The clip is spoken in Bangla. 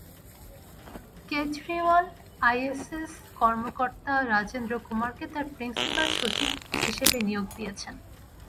কেজরিওয়াল আইএএস কর্মকর্তা রাজেন্দ্র কুমারকে তাঁর প্রিন্সিপাল সচিব হিসেবে নিয়োগ দিয়েছেন।